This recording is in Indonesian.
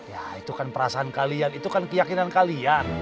ya itu kan perasaan kalian itu kan keyakinan kalian